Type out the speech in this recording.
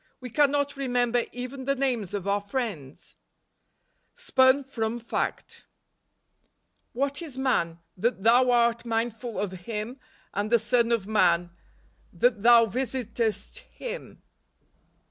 We cannot remember even the names of our friends !" Spun from Faet. " ir/irtf is man, that thou art mindful of himf and the son of man, that thou visitest him?"